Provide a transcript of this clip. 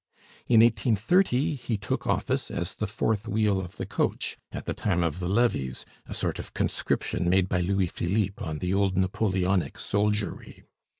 In 1830 he took office as the fourth wheel of the coach, at the time of the levies, a sort of conscription made by Louis Philippe on the old Napoleonic soldiery.